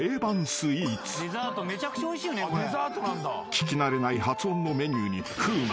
［聞き慣れない発音のメニューに風磨］